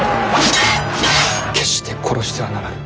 決して殺してはならぬ。